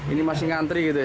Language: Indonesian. ini masih ngantri gitu ya